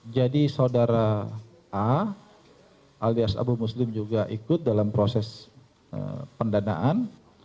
jadi saudara a alias abu muslim juga ikut dalam proses pendanaan